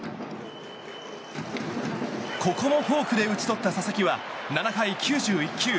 ここもフォークで打ち取った佐々木は７回９１球。